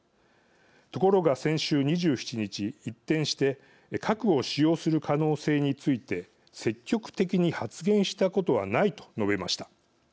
ところが先週２７日、一転して「核を使用する可能性について積極的に発言したことはない」と述べました。